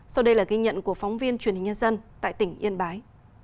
sau đây là ghi nhận của phóng viên truyền hình nhân dân tại tỉnh yên bái